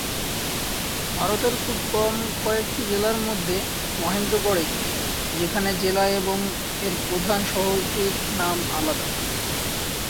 ভারতের খুব কম কয়েকটি জেলার মধ্যে মহেন্দ্রগড় একটি, যেখানে জেলা এবং এর প্রধান শহরটির নাম আলাদা।